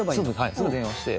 すぐ電話して。